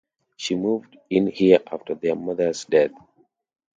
She moved in here after their mother’s death.